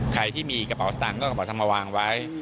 ใครที่มีกระเป๋าสตางค์ก็กระเป๋าสตังค์มาวางไว้